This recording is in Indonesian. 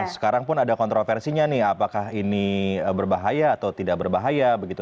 sekarang pun ada kontroversinya nih apakah ini berbahaya atau tidak berbahaya begitu